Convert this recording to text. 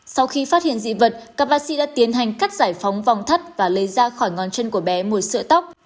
sau khi phát hiện dị vật các bác sĩ đã tiến hành cắt giải phóng vòng thắt và lấy ra khỏi ngón chân của bé một sợi tóc